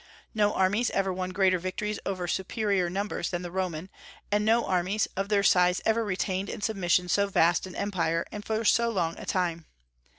No armies ever won greater victories over superior numbers than the Roman, and no armies of their size ever retained in submission so vast an empire, and for so long a time.